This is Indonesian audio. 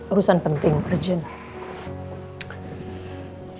urusan penting urgent